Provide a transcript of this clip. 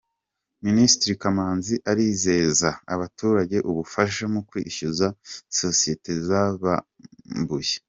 Minisitiri Kamanzi arizeza abaturage ubufasha mu kwishyuza Sosiyete Zabambuye